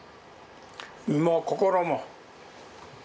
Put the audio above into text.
身も心も。